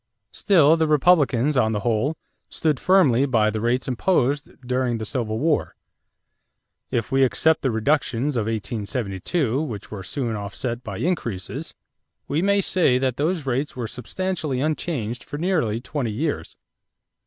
Still the Republicans on the whole stood firmly by the rates imposed during the Civil War. If we except the reductions of 1872 which were soon offset by increases, we may say that those rates were substantially unchanged for nearly twenty years.